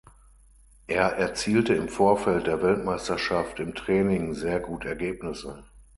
Er erzielte im Vorfeld der Weltmeisterschaft im Training sehr gut Ergebnisse.